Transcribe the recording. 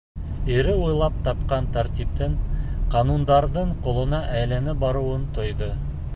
Ире уйлап тапҡан тәртиптең, ҡанундарҙың ҡолона әйләнә барыуын тойҙо.